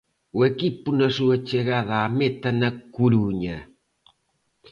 O equipo na súa chegada á meta na Coruña.